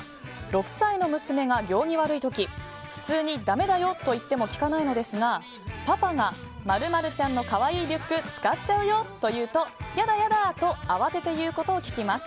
６歳の娘が行儀悪い時普通にだめだよと言っても聞かないのですがパパが○○ちゃんの可愛いリュック使っちゃうよと言うと嫌だ、嫌だ！と慌てて言うことを聞きます。